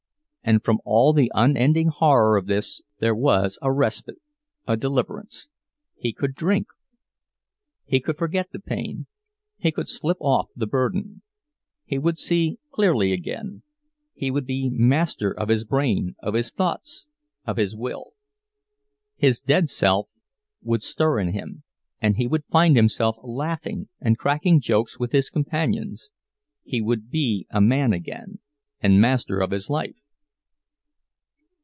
And from all the unending horror of this there was a respite, a deliverance—he could drink! He could forget the pain, he could slip off the burden; he would see clearly again, he would be master of his brain, of his thoughts, of his will. His dead self would stir in him, and he would find himself laughing and cracking jokes with his companions—he would be a man again, and master of his life.